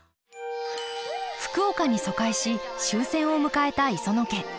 福岡に疎開し終戦を迎えた磯野家。